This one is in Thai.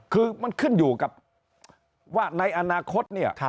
คือมันขึ้นอยู่กับว่าในอนาคตเนี่ย